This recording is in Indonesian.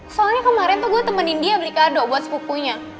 soalnya kemarin tuh gue temenin dia beli kado buat sepukunya